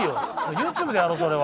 ＹｏｕＴｕｂｅでやろうそれは。